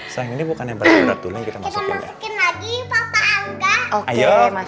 sayang ini bukan yang berat berat dulu kita masukkan lagi papa aku mau ikut mau ikut mau ikut